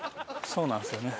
そうなんですよね。